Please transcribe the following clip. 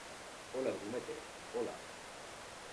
hola, grumete. hola .